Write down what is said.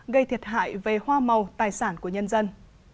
gây thiệt hại về hoa màu tài sản của nhân dân